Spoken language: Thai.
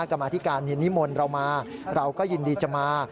กรรมาธิการนิมนต์เรามาเราก็ยินดีจะมา